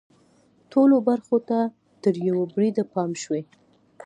ټولو برخو ته تر یوه بریده پام شوی.